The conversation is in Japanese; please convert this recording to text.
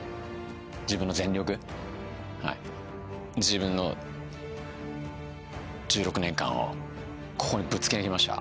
自分の１６年間をここにぶつけに来ました。